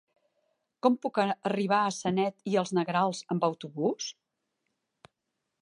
Com puc arribar a Sanet i els Negrals amb autobús?